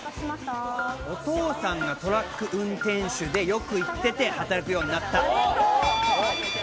お父さんがトラック運転手で、よく行ってて働くようになった。